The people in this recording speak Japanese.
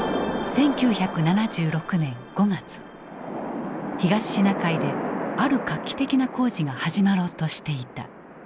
１９７６年５月東シナ海である画期的な工事が始まろうとしていた。